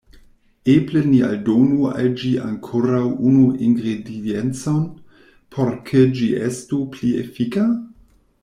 Eble ni aldonu al ĝi ankoraŭ unu ingrediencon, por ke ĝi estu pli efika?